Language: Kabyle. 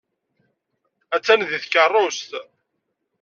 Attan deg tkeṛṛust.